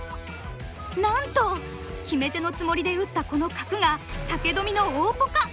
なんと決め手のつもりで打ったこの角が武富の大ポカ。